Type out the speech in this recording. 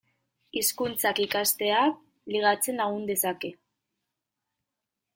Hizkuntzak ikasteak ligatzen lagun dezake?